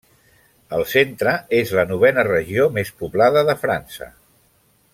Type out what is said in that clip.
El Centre és la novena regió més poblada de França.